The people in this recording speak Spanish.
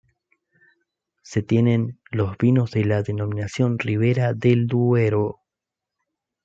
Se tienen los vinos de la denominación Ribera del Duero.